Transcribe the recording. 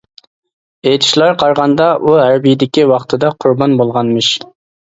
ئېيتىشلارغا قارىغاندا، ئۇ ھەربىيدىكى ۋاقتىدا قۇربان بولغانمىش.